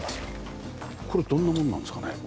これどんなもんなんですかね？